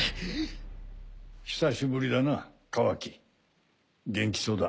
久しぶりだなカワキ元気そうだ。